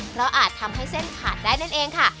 เพราะอาจทำให้เส้นขาดได้นั่นเองค่ะ